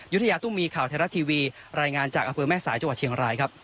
ยุธยาตุ้มีข่าวไทยรัฐทีวีรายงานจากอำเภอแม่สายจังหวัดเชียงรายครับ